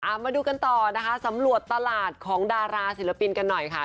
เอามาดูกันต่อนะคะสำรวจตลาดของดาราศิลปินกันหน่อยค่ะ